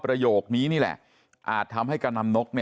ประโยคนี้นี่แหละอาจทำให้กำนันนก